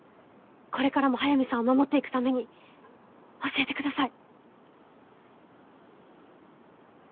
これからも速水さんを護っていくために教えて下さい。